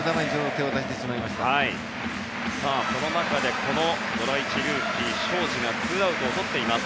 その中でドラ１ルーキー、荘司が２アウトを取っています。